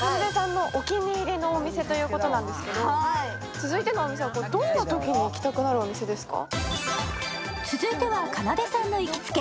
続いてのお店はどんなときに行きたくなるお店ですか？